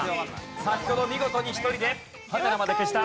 先ほど見事に一人でハテナまで消した。